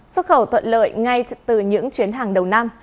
xuất khẩu thuận lợi ngay từ những chuyến hàng đầu năm